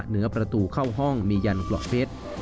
เหนือประตูเข้าห้องมียันกรอกเพชร